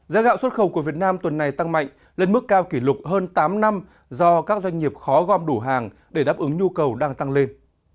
giá gạo xuất khẩu của việt nam tuần này tăng mạnh lên mức cao kỷ lục hơn tám năm do các doanh nghiệp khó gom đủ hàng để đáp ứng nhu cầu đang tăng lên